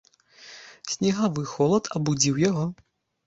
Снегавы холад абудзіў яго.